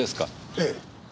ええ。